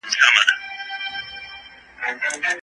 ستا د حُسن ښار دي خدای مه کړه چي وران سي